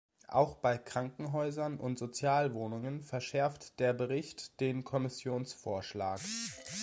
Auch bei Krankenhäusern und Sozialwohnungen verschärft der Bericht den Kommissionsvorschlag.